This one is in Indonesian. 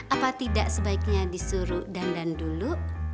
apa tidak sebaiknya disuruh dandan dulu